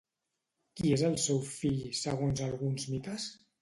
Qui és el seu fill, segons alguns mites?